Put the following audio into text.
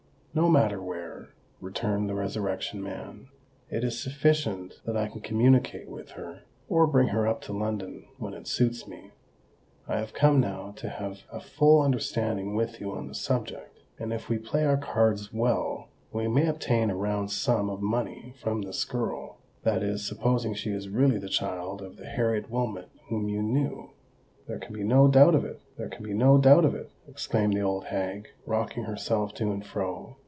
"No matter where," returned the Resurrection Man; "it is sufficient that I can communicate with her, or bring her up to London, when it suits me. I have come now to have a full understanding with you on the subject; and if we play our cards well, we may obtain a round sum of money from this girl—that is, supposing she is really the child of the Harriet Wilmot whom you knew." "There can be no doubt of it—there can be no doubt of it," exclaimed the old hag, rocking herself to and fro.